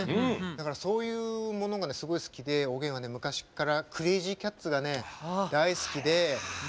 だからそういうものがすごい好きでおげんは昔からクレイジーキャッツがね大好きで。